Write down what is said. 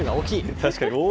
確かに。